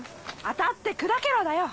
当たって砕けろだよ。